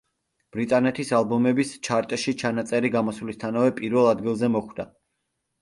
ბრიტანეთის ალბომების ჩარტში ჩანაწერი გამოსვლისთანავე პირველ ადგილზე მოხვდა.